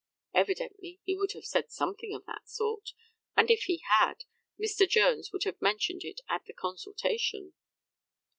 Evidently he would have said something of that sort, and if he had, Mr. Jones would have mentioned it at the consultation.